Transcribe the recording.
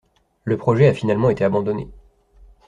Le projet a finalement été abandonné.